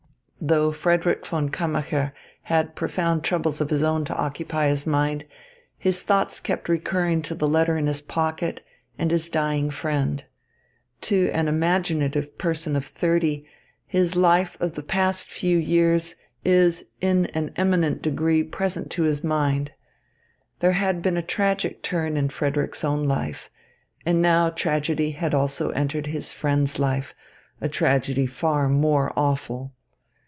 Though Frederick von Kammacher had profound troubles of his own to occupy his mind, his thoughts kept recurring to the letter in his pocket and his dying friend. To an imaginative person of thirty, his life of the past few years is in an eminent degree present to his mind. There had been a tragic turn in Frederick's own life, and now tragedy had also entered his friend's life, a tragedy far more awful.